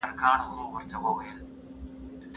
که ناروغ وخت په وخت معاینات نه کړي، ستونزې لویېږي.